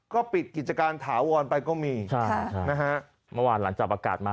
ก็ปิดกิจการถาวรไปก็มีใช่นะฮะเมื่อวานหลังจากประกาศมา